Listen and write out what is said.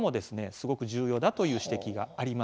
すごく重要だという指摘があります。